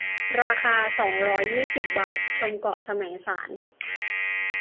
ราคา สองร้อยยี่สิบ บาท ชมเกาะแสมสาร